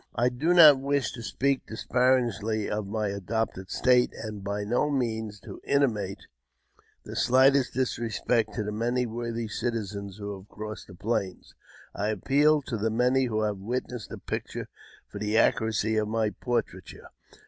I do not wish to speak disparagingly of my adopted state, and by no means to intimate the slightest disrespect to the many worthy citizens who have crossed the Plains. I appeal to the many who have witnessed the picture for the accuracy of my portraiture.